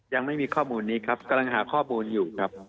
ยังไม่มีข้อมูลนี้ครับกำลังหาข้อมูลอยู่ครับ